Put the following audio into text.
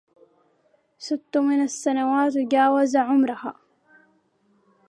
ست من السنوات جاوز عمرها